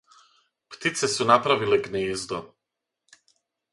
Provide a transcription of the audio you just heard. Птице су направиле гнездо.